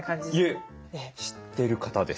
いえ知ってる方です。